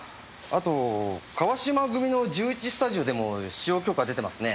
あと川島組の１１スタジオでも使用許可出てますね。